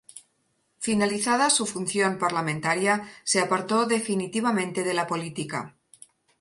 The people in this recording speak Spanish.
Finalizada su función parlamentaria, se apartó definitivamente de la política.